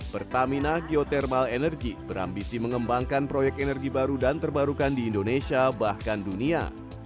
pertamina geotermal energy berambisi mengembangkan proyek energi baru dan terbarukan di indonesia bahkan dunia